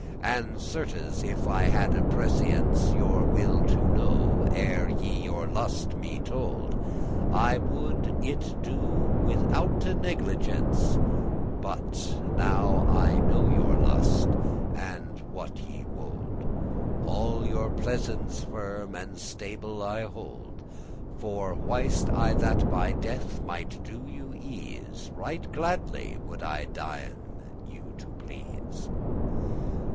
*will "And, certes, if I hadde prescience Your will to know, ere ye your lust* me told, *will I would it do withoute negligence: But, now I know your lust, and what ye wo'ld, All your pleasance firm and stable I hold; For, wist I that my death might do you ease, Right gladly would I dien you to please.